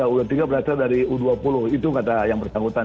u dua puluh tiga berasal dari u dua puluh itu kata yang bersangkutan